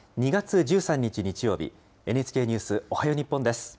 ２月１３日日曜日、ＮＨＫニュースおはよう日本です。